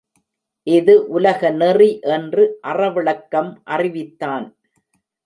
இது உலகநெறி என்று அறவிளக்கம் அறிவித்தான்.